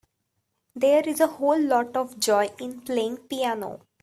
There is a whole lot of joy in playing piano.